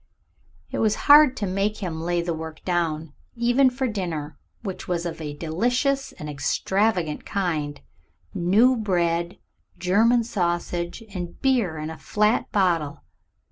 It was hard to make him lay the work down even for dinner, which was of a delicious and extravagant kind new bread, German sausage, and beer in a flat bottle.